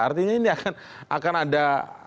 artinya ini akan ada